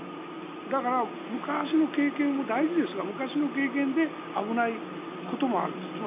だから、昔の経験も大事ですが昔の経験で危ないこともあるんです。